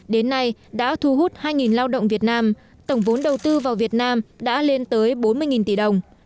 đến nay đã thu hút hai lao động việt nam tổng vốn đầu tư vào việt nam đã lên tới bốn mươi tỷ đồng